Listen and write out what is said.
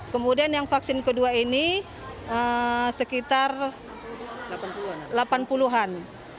kemudian yang vaksin kedua ini sekitar delapan puluh an